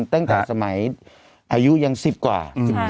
ตั้งแต่สมัยอายุยัง๑๐กว่า